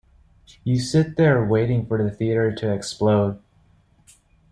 You sit there waiting for the theatre to explode.